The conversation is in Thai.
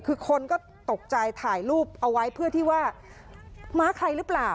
คือคนก็ตกใจถ่ายรูปเอาไว้เพื่อที่ว่าม้าใครหรือเปล่า